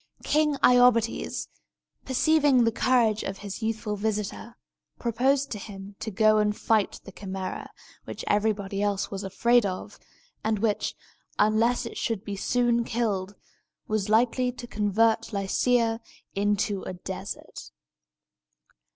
King Iobates, perceiving the courage of his youthful visitor, proposed to him to go and fight the Chimæra, which everybody else was afraid of, and which, unless it should be soon killed, was likely to convert Lycia into a desert.